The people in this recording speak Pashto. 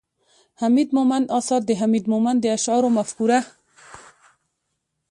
،حميد مومند اثار، د حميد مومند د اشعارو مفکوره